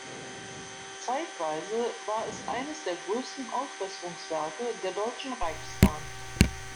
Zeitweise war es eines der größten Ausbesserungswerke der Deutschen Reichsbahn.